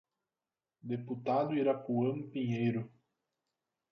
Deputado Irapuan Pinheiro